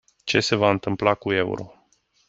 Ce se va întâmpla cu euro?